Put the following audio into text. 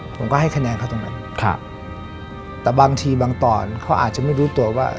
ผมก็ให้คะแนนเขาตรงนั้นครับแต่บางทีบางตอนเขาอาจจะไม่รู้ตัวว่า